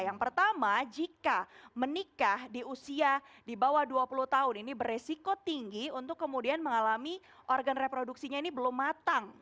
yang pertama jika menikah di usia di bawah dua puluh tahun ini beresiko tinggi untuk kemudian mengalami organ reproduksinya ini belum matang